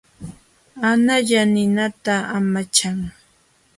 Analla ninata amachan.